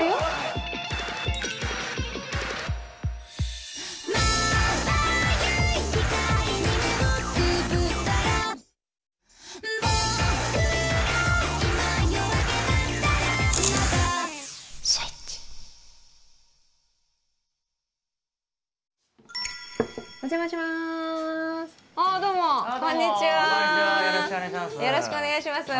よろしくお願いします。